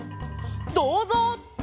「どうぞう！」